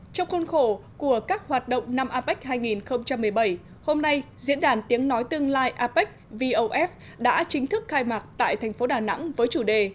trong khuôn khổ của các hoạt động năm apec hai nghìn một mươi bảy hôm nay diễn đàn tiếng nói tương lai apec vof đã chính thức khai mạc tại thành phố đà nẵng với chủ đề